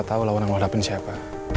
kalau orang lo dapet siapa